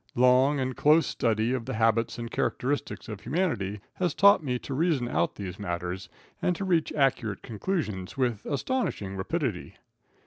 Long and close study of the habits and characteristics of humanity has taught me to reason out these matters, and to reach accurate conclusions with astonishing rapidity.